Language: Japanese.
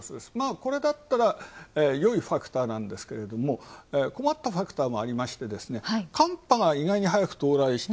これだったら、よいファクターなんですが、こまったファクターありましてですね、寒波が意外にははやく到来した。